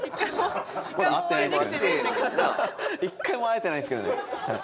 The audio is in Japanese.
ハハハ１回も会えてないですけどね。